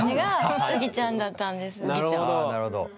あなるほど。